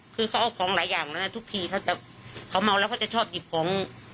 คือเขาเอาของหลายอย่างนั้นทุกทีเขาจะเขาเมาแล้วเขาจะชอบหยิบของ